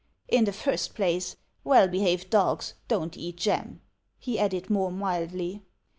"In the first place, well behaved dogs don't eat jam," he added more mildly.